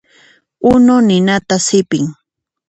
Unu ninata sipin.